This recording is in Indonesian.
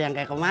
ini udah tamu